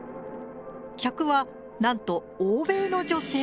客はなんと欧米の女性。